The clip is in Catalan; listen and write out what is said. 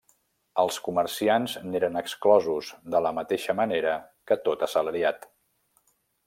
Els comerciants n'eren exclosos, de la mateixa manera que tot assalariat.